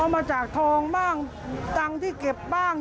เอามาจากทองบ้างตังค์ที่เก็บบ้าง